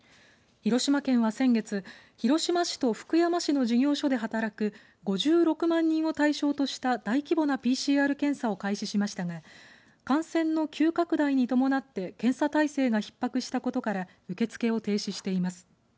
広島県は先月、広島市と福山市の事業所で働く５６万人を対象とした大規模なＰＣＲ検査を開始しましたが感染の急拡大に伴って検査体制がひっ迫したことから受け付けを停止しています。